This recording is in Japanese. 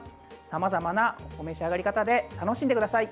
さまざまなお召し上がり方で楽しんでください。